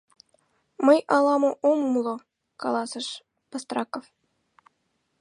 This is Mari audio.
— Мый ала-мо ом умыло, — каласыш Бастраков.